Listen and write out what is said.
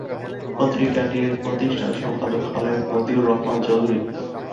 পত্রিকাটির প্রতিষ্ঠাতা সম্পাদক হলেন মতিউর রহমান চৌধুরী।